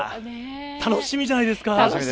楽しみじゃないですか？